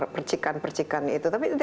percikan percikan itu tapi